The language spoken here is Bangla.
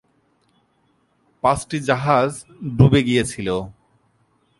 পাঁচটি জাহাজ ডুবে গিয়েছিল।